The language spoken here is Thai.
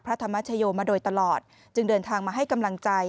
ธรรมชโยมาโดยตลอดจึงเดินทางมาให้กำลังใจ